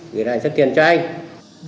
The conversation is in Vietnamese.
rồi là sau này chúng tôi làm việc xong thủ tục